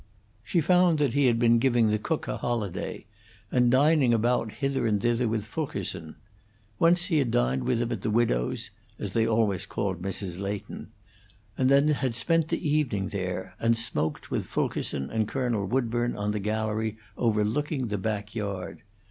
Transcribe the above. She found that he had been giving the cook a holiday, and dining about hither and thither with Fulkerson. Once he had dined with him at the widow's (as they always called Mrs. Leighton), and then had spent the evening there, and smoked with Fulkerson and Colonel Woodburn on the gallery overlooking the back yard.